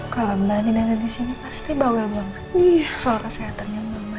kalau mbak nin ada disini pasti bawa banget soal kesehatan ya mamanya